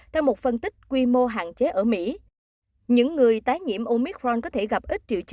theo một phân tích quy mô hạn chế ở mỹ những người tái nhiễm omicron có thể gặp ít triệu chứng